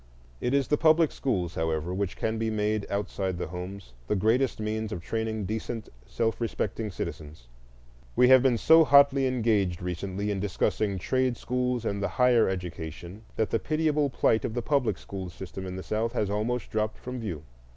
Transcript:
It is the public schools, however, which can be made, outside the homes, the greatest means of training decent self respecting citizens. We have been so hotly engaged recently in discussing trade schools and the higher education that the pitiable plight of the public school system in the South has almost dropped from view.